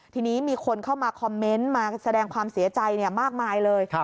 ทีนี้มีคนเข้ามาคอมเมนต์มาแสดงความเสียใจมากมายเลย